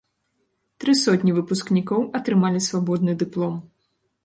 Тры сотні выпускнікоў атрымалі свабодны дыплом.